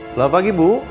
selamat pagi bu